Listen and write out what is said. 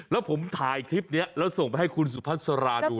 แล้วผมถ่ายคลิปนี้แล้วส่งไปให้คุณสุพัสราดู